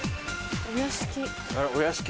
お屋敷。